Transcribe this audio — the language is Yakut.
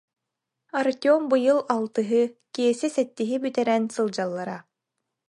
Артем быйыл алтыһы, Киэсэ сэттиһи бүтэрэн сылдьаллара